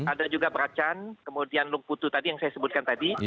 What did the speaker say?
ada juga peracan kemudian lukputu tadi yang saya sebutkan tadi